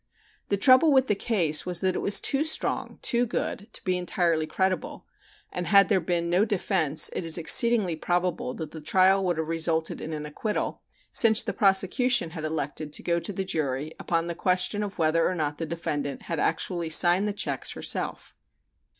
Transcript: The trouble with the case was that it was too strong, too good, to be entirely credible, and had there been no defense it is exceedingly probable that the trial would have resulted in an acquittal, since the prosecution had elected to go to the jury upon the question of whether or not the defendant had actually signed the checks herself.